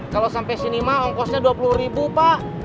kalau sampai sini mah ongkosnya dua puluh ribu pak